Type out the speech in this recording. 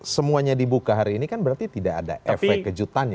semuanya dibuka hari ini kan berarti tidak ada efek kejutannya